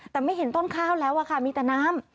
แต่ไม่เห็นต้นข้าวแล้วอะค่ะมีแต่น้ำ